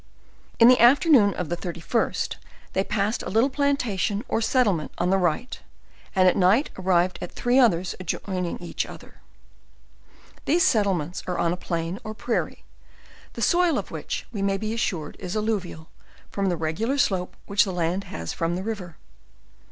In the afternoon of the 31st, they passed a little planta tion or settlement on the right, and at night arrived at three others adjoining each other. T&ese settlements are on a plain or prairie, the soil of which we may be assured is al luvial from the regular slope which the Jand has from the river.